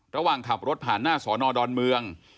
ระหว่างขับรถผ่านหน้าสอนอดอนเมือง